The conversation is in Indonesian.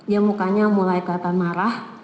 ya mukanya mulai kelihatan marah